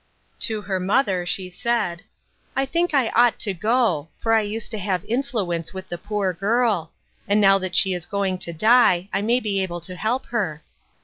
249 To her mother, she said, —" I think I ought to go ; for I used to have influence with the poor girl ; and now that she is going to die, I may be able to help her."